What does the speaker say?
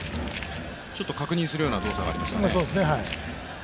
ちょっと確認するような動作がありましたね。